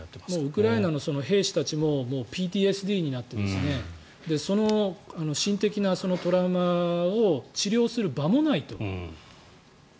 ウクライナの兵士たちもＰＴＳＤになって心的なトラウマを治療する場もないと。